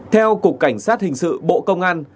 theo cục cảnh sát hình sự bộ công an